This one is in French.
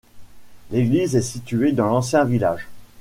L'église est située dans l'ancien village.